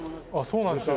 そうなんですか？